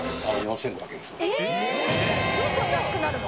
えっどんどん安くなるの？